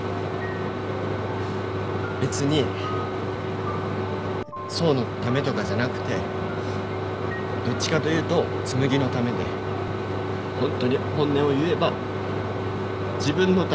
別に想のためとかじゃなくてどっちかというと紬のためでホントに本音を言えば自分のため。